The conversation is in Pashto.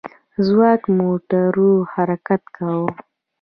ځواک موټور حرکت کوي.